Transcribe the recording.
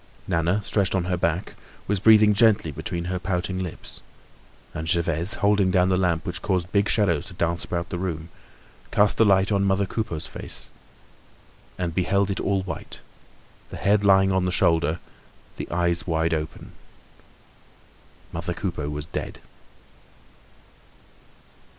Nana, stretched on her back, was breathing gently between her pouting lips. And Gervaise, holding down the lamp which caused big shadows to dance about the room, cast the light on mother Coupeau's face, and beheld it all white, the head lying on the shoulder, the eyes wide open. Mother Coupeau was dead.